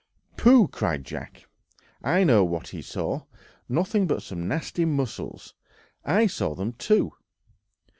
"Pooh!" cried Jack, "I know what he saw—nothing but some nasty mussels; I saw them too.